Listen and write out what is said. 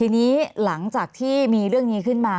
มีความรู้สึกว่ามีความรู้สึกว่า